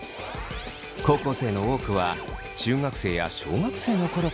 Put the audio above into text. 高校生の多くは中学生や小学生の頃から。